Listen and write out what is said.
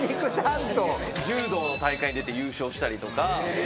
柔道の大会に出て優勝したりとか。